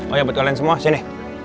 oh iya buat kalian semua sini